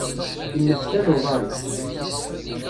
Inneftal uḍaṛ-is.